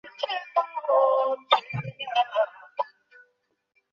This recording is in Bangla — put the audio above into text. আমরা এগুলিকে ছাড়াইয়া যাইতে পারি না।